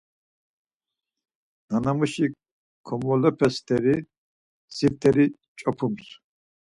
Nanamuşik komolepe steri sifteri ç̌opums.